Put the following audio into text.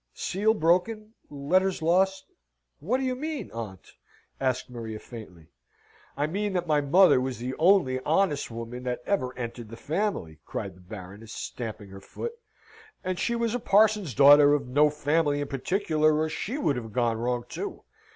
"Seal broken, letters lost? What do you mean, aunt?" asked Maria, faintly. "I mean that my mother was the only honest woman that ever entered the family!" cried the Baroness, stamping her foot. "And she was a parson's daughter of no family in particular, or she would have gone wrong, too.